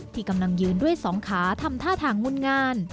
กำลังยืนด้วยสองขาทำท่าทางงุ่นงาน